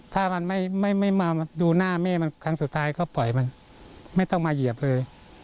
ถ้ามันไม่มาดูหน้าแม่มันครั้งสุดท้ายก็ปล่อยมันไม่ต้องมาเหยียบเลย